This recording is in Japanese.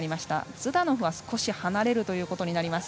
ズダノフは少し離れることになります。